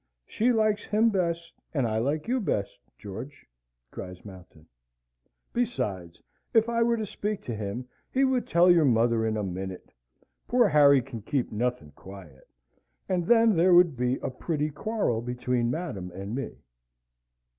"She likes him best, and I like you best, George," cries Mountain. "Besides, if I were to speak to him, he would tell your mother in a minute. Poor Harry can keep nothing quiet, and then there would be a pretty quarrel between Madam and me!"